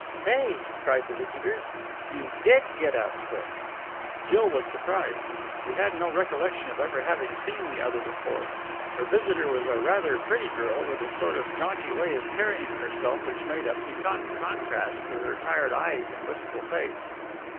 "Say!" cried the visitor. "You did get out quick!" Jill was surprised. She had no recollection of ever having seen the other before. Her visitor was a rather pretty girl, with a sort of jaunty way of carrying herself which made a piquant contrast to her tired eyes and wistful face.